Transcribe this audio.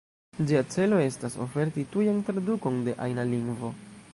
Ĝia celo estas oferti tujan tradukon de ajna lingvo.